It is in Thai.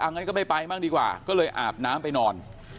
งั้นก็ไม่ไปบ้างดีกว่าก็เลยอาบน้ำไปนอน